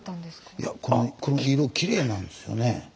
いやこの色きれいなんですよね。